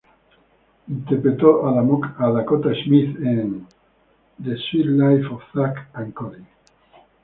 Interpretó a Dakota Smith en" The Suite Life of Zack and Cody".